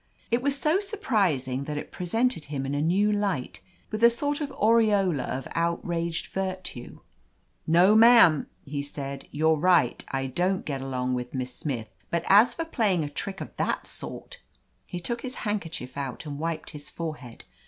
It was so surprising that it presented him in a new light with a sort of aureola of outraged virtue. "No, mam/^ he said. "You're right, I don't get along with Miss Smith, but as for playing a trick of that sort —!" He took his hand kerchief out and wiped his forehead.